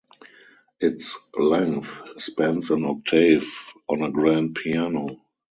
Its length spans an octave on a grand piano.